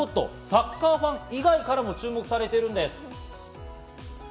サッカーファン以外からも注目されているんです。